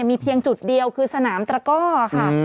มีเพียงจุดเดียวคือสนามตระก้อค่ะ